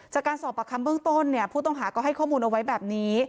จากการสอบประคำเบื้องต้นเนี่ยผู้ต้องหาก็ให้ข้อมูลเอาไว้แบบนี้